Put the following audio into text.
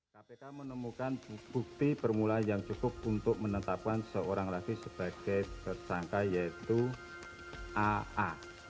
kpk menemukan bukti permulaan yang cukup untuk menetapkan seorang lagi sebagai tersangka yaitu aa